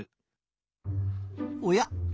おや？